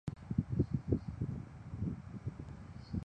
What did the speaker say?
新秩序乐团成立。